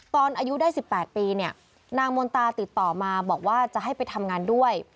อายุได้๑๘ปีเนี่ยนางมนตาติดต่อมาบอกว่าจะให้ไปทำงานด้วย